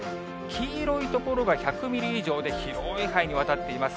黄色い所が１００ミリ以上で、広い範囲にわたっています。